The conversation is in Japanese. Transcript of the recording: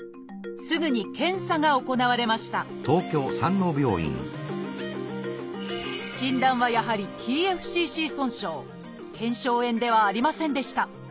すぐに検査が行われました診断はやはり腱鞘炎ではありませんでした。